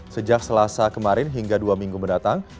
sejak selasa kemarin hingga dua minggu mendatang